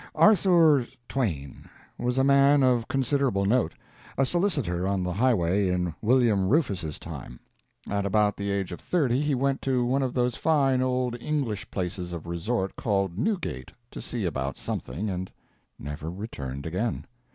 Arthour Twain was a man of considerable note a solicitor on the highway in William Rufus's time. At about the age of thirty he went to one of those fine old English places of resort called Newgate, to see about something, and never returned again.